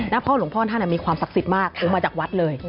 พ่อหลวงพ่อท่านมีความศักดิ์สิทธิ์มากองค์มาจากวัดเลย